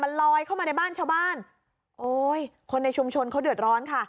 มันลอยเข้ามาในบ้านชาวบ้านโอ้ยคนในชุมชนเขาเดือดร้อนค่ะ